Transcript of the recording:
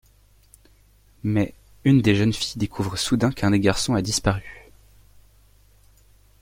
Mais, une des jeunes filles découvre soudain qu'un des garçons a disparu.